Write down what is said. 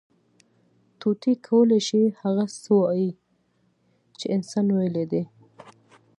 طوطي کولی شي، هغه څه ووایي، چې انسان ویلي دي.